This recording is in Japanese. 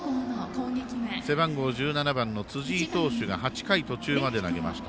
背番号１７番の辻井投手が８回途中まで投げました。